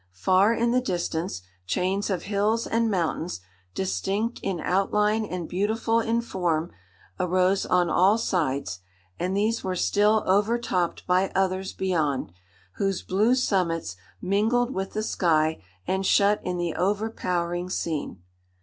Far in the distance, chains of hills and mountains, distinct in outline and beautiful in form, arose on all sides; and these were still overtopped by others beyond, whose blue summits mingled with the sky, and shut in the overpowering scene.